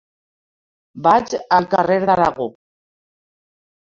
Vaig al carrer d'Aragó.